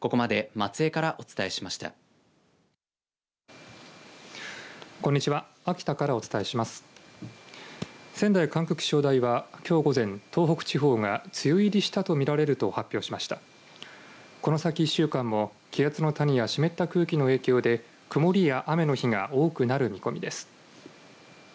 この先１週間も気圧の谷や湿った空気の影響で曇りや雨の日が多くなる見込みです。